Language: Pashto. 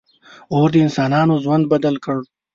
• اور د انسانانو ژوند بدل کړ.